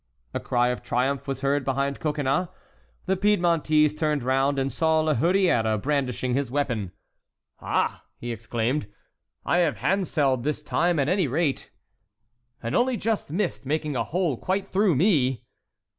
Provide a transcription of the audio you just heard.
A cry of triumph was heard behind Coconnas. The Piedmontese turned round and saw La Hurière brandishing his weapon. "Ah," he exclaimed, "I have handselled this time at any rate." "And only just missed making a hole quite through me."